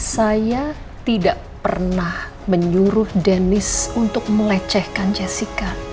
saya tidak pernah menyuruh denis untuk melecehkan jessica